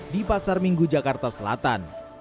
di pasar minggu jakarta selatan